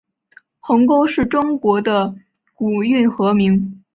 鸿沟是中国的古运河名。